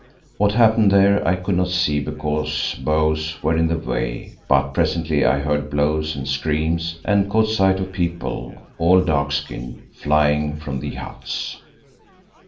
What happened there I could not see because boughs were in the way, but presently I heard blows and screams, and caught sight of people, all dark skinned, flying from the huts.